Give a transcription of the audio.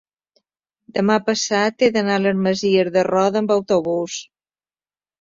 demà passat he d'anar a les Masies de Roda amb autobús.